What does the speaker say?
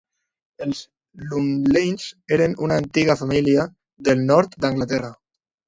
Els Lumleys eren una antiga família del nord d'Anglaterra.